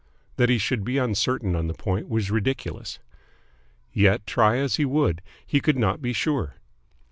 That he should be uncertain on the point was ridiculous. Yet, try as he would, he could not be sure.